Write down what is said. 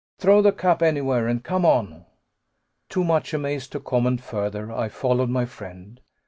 "Throw the cap anywhere and come on!" Too much amazed to comment further, I followed my friend.